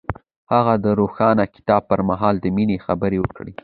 هغه د روښانه کتاب پر مهال د مینې خبرې وکړې.